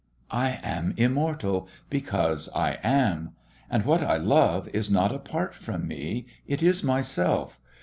"I am immortal ... because I am. And what I love is not apart from me. It is myself.